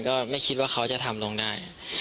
ก็ไม่คิดว่าเขาจะทำลงได้